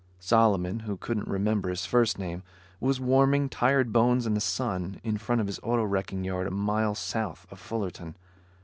Solomon, who couldn't remember his first name, was warming tired bones in the sun, in front of his auto wrecking yard a mile south of Fullerton.